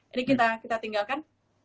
ini kita tinggalkan